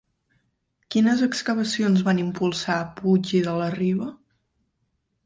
Quines excavacions van impulsar Puig i de la Riba?